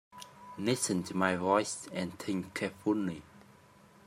Listen to my voice and think carefully.